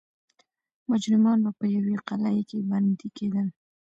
مجرمان به په یوې قلعې کې بندي کېدل.